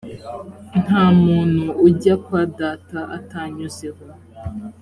nta muntu ujya kwa data atanyuzeho .